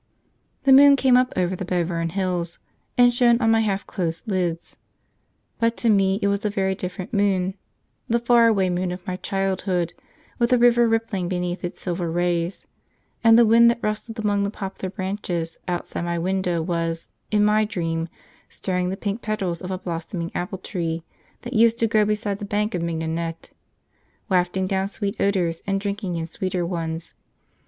The moon came up over the Belvern Hills and shone on my half closed lids; but to me it was a very different moon, the far away moon of my childhood, with a river rippling beneath its silver rays. And the wind that rustled among the poplar branches outside my window was, in my dream, stirring the pink petals of a blossoming apple tree that used to grow beside the bank of mignonette, wafting down sweet odours and drinking in sweeter ones.